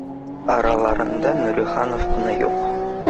Араларында Нуриханов ҡына юҡ